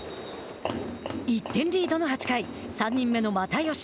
１点リードの８回３人目の又吉。